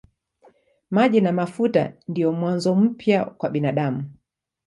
Maji na mafuta ndiyo mwanzo mpya kwa binadamu.